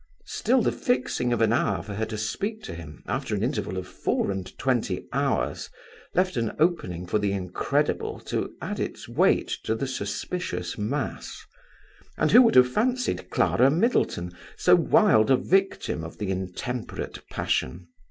Still the fixing of an hour for her to speak to him after an interval of four and twenty hours, left an opening for the incredible to add its weight to the suspicious mass; and who would have fancied Clara Middleton so wild a victim of the intemperate passion!